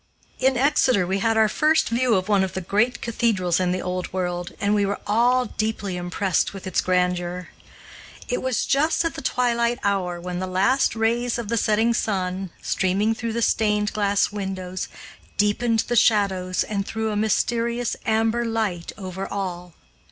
In Exeter we had our first view of one of the great cathedrals in the Old World, and we were all deeply impressed with its grandeur. It was just at the twilight hour, when the last rays of the setting sun, streaming through the stained glass windows, deepened the shadows and threw a mysterious amber light over all.